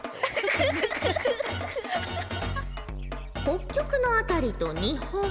北極の辺りと日本